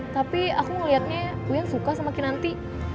tapi aku ngeliatnya win suka sama kinanti